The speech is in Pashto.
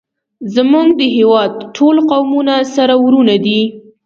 زمونږ د هیواد ټول قومونه سره ورونه دی